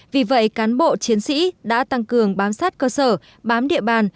vì vậy cán bộ chiến sĩ đã tăng cường bám sát cơ sở bám địa bàn